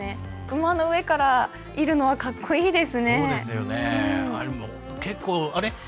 馬の上から射るのはかっこいいですね。